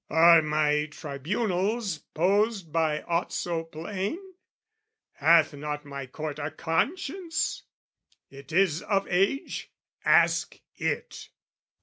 "Are my Tribunals posed by aught so plain? "Hath not my Court a conscience? It is of age, "Ask it!"